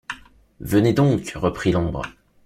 Venez donc, reprit l’ombre.